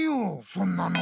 そんなの！